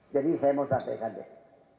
jadi saya mau sampaikan deh